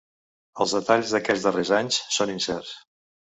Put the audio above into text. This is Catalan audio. Els detalls d'aquests darrers anys són incerts.